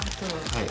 はい。